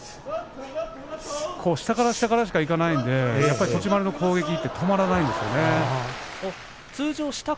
下から下からしかいかないので栃丸の攻撃が止まりませんでした。